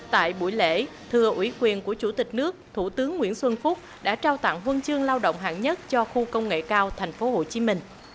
tại buổi lễ thưa ủy quyền của chủ tịch nước thủ tướng nguyễn xuân phúc đã trao tặng huân chương lao động hạng nhất cho khu công nghệ cao tp hcm